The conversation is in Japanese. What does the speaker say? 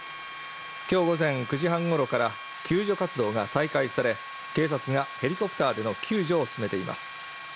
きょう午前９時半ごろから救助活動が再開され警察がヘリコプターでの救助を進めています